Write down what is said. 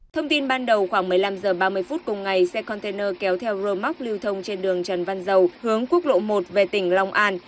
thông tin ban đầu khoảng một mươi năm h ba mươi phút cùng ngày xe container kéo theo rơ móc lưu thông trên đường trần văn dầu hướng quốc lộ một về tỉnh long an